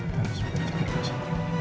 terus berjaga jaga saja